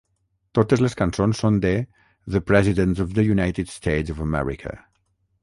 Totes les cançons són de The Presidents of the United States of America.